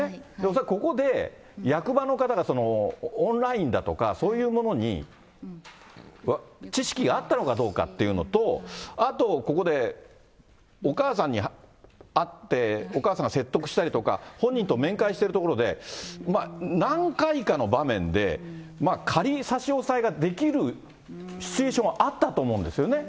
恐らくここで、役場の方が、オンラインだとか、そういうものに知識があったのかどうかっていうのと、あとここで、お母さんにあって、お母さんが説得したりとか、本人と面会してるところで、何回かの場面で、仮差し押さえができるシチュエーションはあったと思うんですよね。